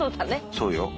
そうよ。